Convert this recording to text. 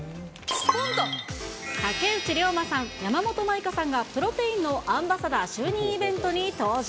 竹内涼真さん、山本舞香さんがプロテインのアンバサダー就任イベントに登場。